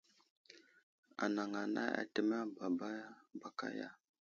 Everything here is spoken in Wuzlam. Anaŋ anay atəmeŋ baba baka ya ?